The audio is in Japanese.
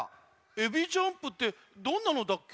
エビジャンプってどんなのだっけ？